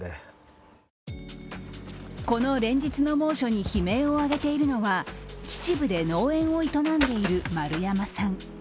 この連日の猛暑に悲鳴を上げているのは秩父で農園を営んでいる丸山さん。